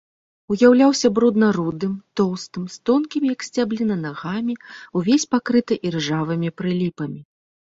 Уяўляўся брудна-рудым, тоўстым, з тонкімі, як сцябліна, нагамі, увесь пакрыты іржавымі прыліпамі.